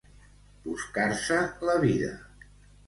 Buscar-se la vida.